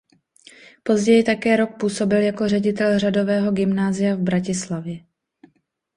Později také rok působil jako ředitel řádového gymnázia v Bratislavě.